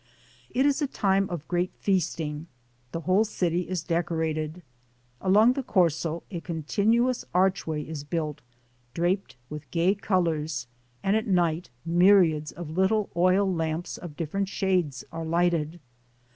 It is a time of great feasting. The whole city is decorated. Along the Corso a continuous archway is built, draped with gay colors, and at night myriads of little oil lamps of different shades are lighted.